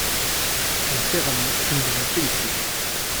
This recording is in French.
Mon cher ami, je vous en félicite…